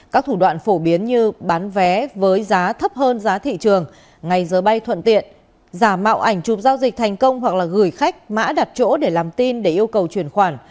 các thủ đoạn phổ biến như bán vé với giá thấp hơn giá thị trường ngày giờ bay thuận tiện giả mạo ảnh chụp giao dịch thành công hoặc là gửi khách mã đặt chỗ để làm tin để yêu cầu chuyển khoản